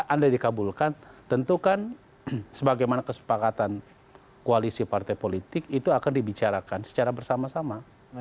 andai dikabulkan tentu kan sebagaimana kesepakatan koalisi partai politik itu akan dibicarakan secara bersama sama